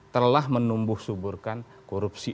telah menumbuh suburkan korupsi